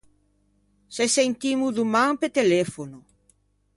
Se sentimmo doman pe telefono.